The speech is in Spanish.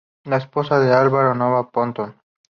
Es la esposa de Álvaro Noboa Pontón.